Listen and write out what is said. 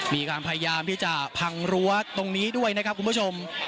มีการพยายามที่จะพังรั้วตรงนี้ด้วยนะครับคุณผู้ชม